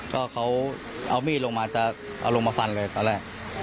ก็เขาเอามีดลงมาจะเอาลงมาฟันเลยตอนแรก